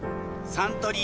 サントリー